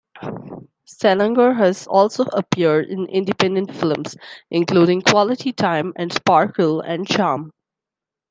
Salenger has also appeared in independent films, including "Quality Time" and "Sparkle and Charm".